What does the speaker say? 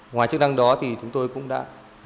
ngoài chức năng đó thì chúng tôi cũng đã